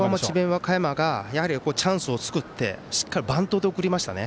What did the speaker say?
和歌山がやはりチャンスを作ってしっかりバントで送りましたね。